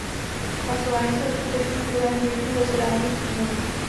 Hlasování se uskuteční v druhém dílčím zasedání v únoru.